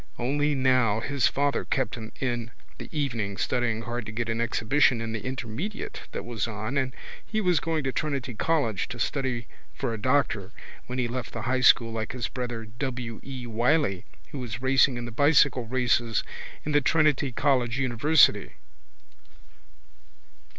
Only now his father kept him in in the evenings studying hard to get an exhibition in the intermediate that was on and he was going to go to Trinity college to study for a doctor when he left the high school like his brother W. E. Wylie who was racing in the bicycle races in Trinity college university.